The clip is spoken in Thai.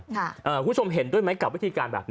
คุณผู้ชมเห็นด้วยรึไหมกับวิธีการ